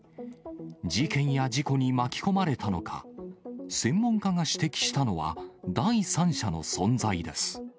事件や事故に巻き込まれたのか、専門家が指摘したのは、第三者の存在です。